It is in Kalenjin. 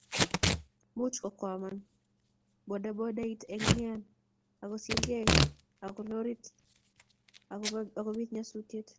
muuch kokwaman bodabodait eng wian ago sirgei ago lorit ago bit nyasusiet